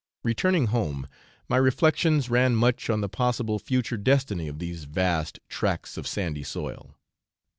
Returning home, my reflections ran much on the possible future destiny of these vast tracts of sandy soil.